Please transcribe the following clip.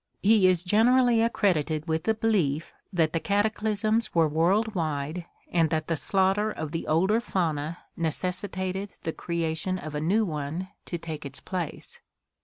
He is generally accredited with the belief that the cat aclysms were world wide and that the slaughter of the older fauna necessitated the creation of a new one to take its place.